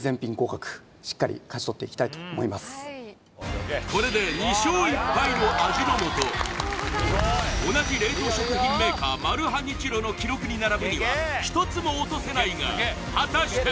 だいぶこれで２勝１敗の味の素同じ冷凍食品メーカーマルハニチロの記録に並ぶには一つも落とせないが果たして